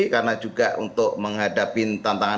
karena juga untuk menghadapi tantangan yang lain